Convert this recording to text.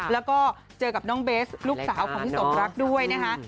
แล้วก็เจอกับน้องเบสลูกสาวของพี่สมรักด้วยนะคะ